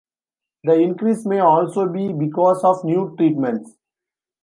The increase may also be because of new treatments.